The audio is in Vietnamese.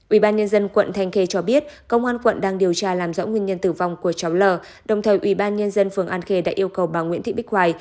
ubnd quận thanh khê cho biết công an quận đang điều tra làm rõ nguyên nhân tử vong của cháu lờ đồng thời ubnd phường an khê đã yêu cầu bà nguyễn thị bích hoài